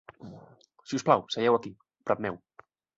Si us plau, seieu aquí, prop meu.